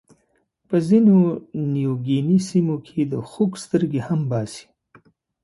په ځینو نیوګیني سیمو کې د خوک سترګې هم باسي.